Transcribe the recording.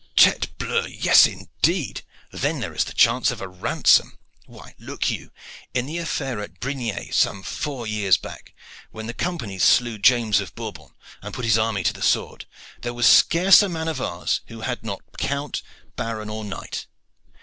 "Tete bleu! yes, indeed. Then there is the chance of a ransom. Why, look you, in the affair at Brignais some four years back, when the companies slew James of Bourbon, and put his army to the sword, there was scarce a man of ours who had not count, baron, or knight.